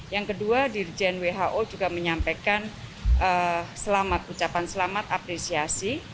yang kedua dirjen who juga menyampaikan selamat ucapan selamat apresiasi